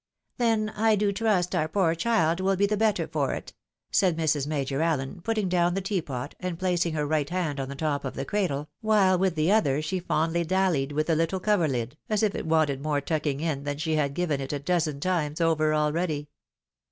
" Then I do trust our poor child will be the better forit," said Mrs. Major AUen, putting down the teapot, and placing her right hand on the top of the cradle, while with the other she fondly daUied with the httle coverhd, as if it wanted more tucking in than she had given it a dozen times over already.